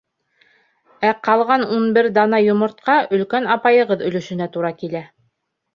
Ә ҡалған ун бер дана йомортҡа өлкән апайығыҙ өлөшөнә тура килә.